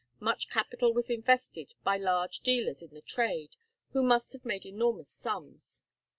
Much capital was invested by large dealers in the trade, who must have made enormous sums.